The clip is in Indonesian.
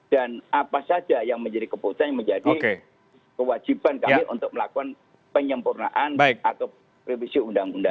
dan apa saja yang menjadi keputusan yang menjadi kewajiban kami untuk melakukan penyempurnaan atau revisi undang undang